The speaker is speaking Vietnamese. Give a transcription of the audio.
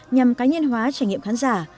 nhằm cá nhân hóa trải nghiệm khán giả